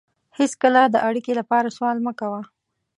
هېڅکله د اړیکې لپاره سوال مه کوه.